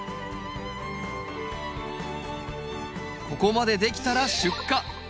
ここまでできたら出荷！